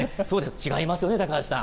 違いますよね、高橋さん。